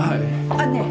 あっねえ。